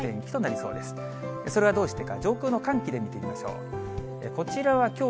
それはどうしてか、上空の寒気で見てみましょう。